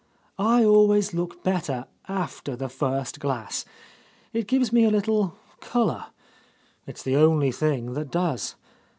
I always look better after the first glass, — it gives me a little colour, it's the only thing that does.